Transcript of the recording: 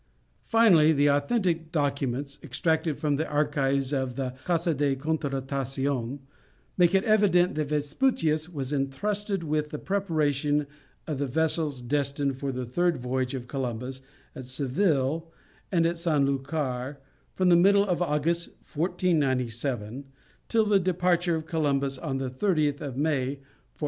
Finally, the authentic documents extracted from the archives of the Casa de contratacion make it evident that Vespucius was entrusted with the preparation of the vessels destined for the third voyage of Columbus at Seville and at San Lucar from the middle of August, 1497, till the departure of Columbus on the 30th of May, 1498.